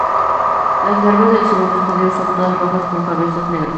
Las larvas de segundo estadio son todas rojas con cabezas negras.